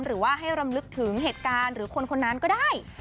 หรือว่าให้รำลึกถึงเหตุการณ์หรือคนคนนั้นก็ได้